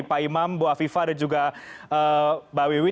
pak imam bu afifah dan juga mbak wiwi